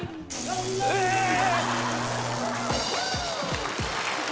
えっ！？